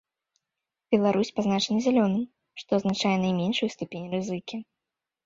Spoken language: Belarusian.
Беларусь пазначана зялёным, што азначае найменшую ступень рызыкі.